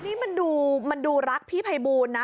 นี่มันดูรักพี่ไพบูนนะ